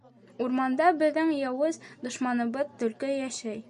— Урманда беҙҙең яуыз дошманыбыҙ төлкө йәшәй.